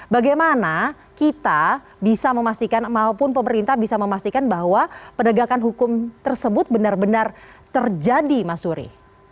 bagaimana kita bisa memastikan maupun pemerintah bisa memastikan bahwa penegakan hukum tersebut benar benar terjadi mas suri